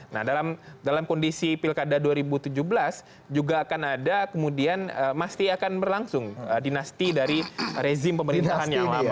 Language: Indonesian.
nah dalam kondisi pilkada dua ribu tujuh belas juga akan ada kemudian pasti akan berlangsung dinasti dari rezim pemerintahan yang lama